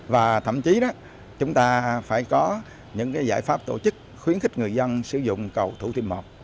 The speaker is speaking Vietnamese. và thậm chí đó chúng ta phải có những giải pháp tổ chức khuyến khích người dân sử dụng cầu thủ thiêm một